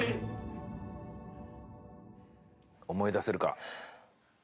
思い出せるか？